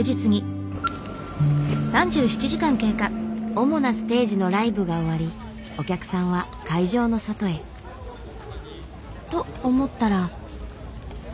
主なステージのライブが終わりお客さんは会場の外へ。と思ったら。